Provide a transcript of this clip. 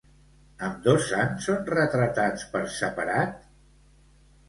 Ambdós sants són retratats per separat?